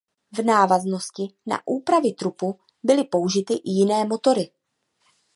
V návaznosti na úpravy trupu byly použity i jiné motory.